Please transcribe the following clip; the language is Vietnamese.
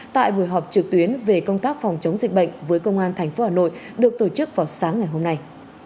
tại buổi họp trực tuyến về công tác phòng chống dịch bệnh với công an tp hà nội được tổ chức vào sáng ngày hôm nay